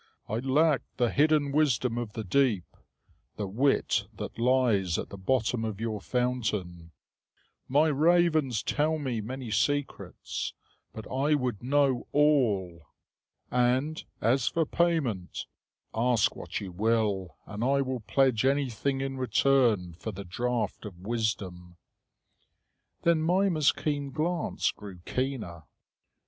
I lack the hidden wisdom of the deep the wit that lies at the bottom of your fountain. My ravens tell me many secrets; but I would know all. And as for payment, ask what you will, and I will pledge anything in return for the draught of wisdom." Then Mimer's keen glance grew keener.